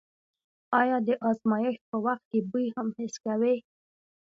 آیا د ازمایښت په وخت کې بوی هم حس کوئ؟